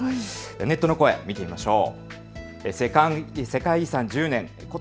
ネットの声、見てみましょう。